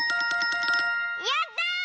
やった！